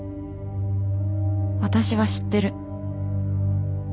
私は知ってる。